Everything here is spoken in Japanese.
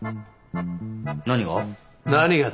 何が？